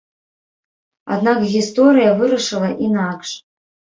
Аднак гісторыя вырашыла інакш.